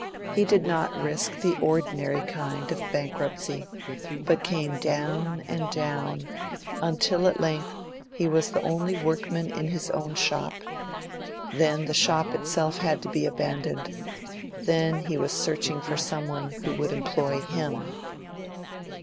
He did not risk the ordinary kind of bankruptcy, but came down and down, until at length he was the only workman in his own shop; then the shop itself had to be abandoned; then he was searching for someone who would employ him.